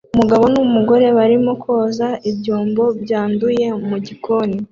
Umugabo n'umugore barimo koza ibyombo byanduye mu gikoni